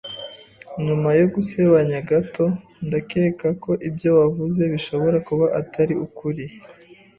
Nyuma yo gusebanya gato, ndakeka ko ibyo wavuze bishobora kuba atari ukuri.